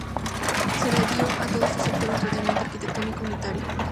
Se le dio a todo este sector un tratamiento arquitectónico unitario.